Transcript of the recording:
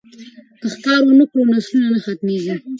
که ښکار ونه کړو نو نسلونه نه ختمیږي.